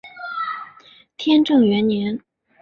天正元年。